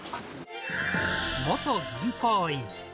元銀行員。